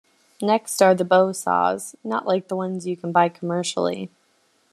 Next are the bow saws, not like the ones you can buy commercially.